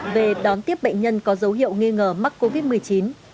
về đón tiếp bệnh nhân có dấu hiệu nghi ngờ mắc covid một mươi chín